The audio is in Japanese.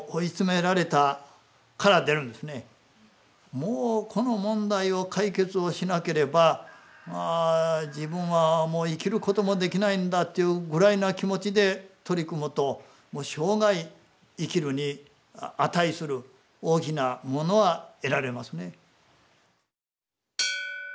もうこの問題を解決しなければ自分はもう生きることもできないんだっていうぐらいな気持ちで取り組むともう生涯生きるに値する大きなものは得られますね。